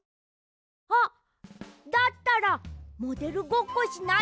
あっだったらモデルごっこしない？